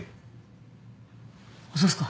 あっそうっすか。